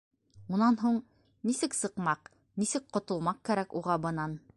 Унан һуң... нисек сыҡмаҡ, нисек ҡотолмаҡ кәрәк уға бынан?